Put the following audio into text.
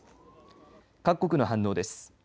各国の反応です。